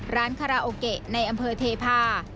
ร้านคาราโอเกะในอำเภอเทพา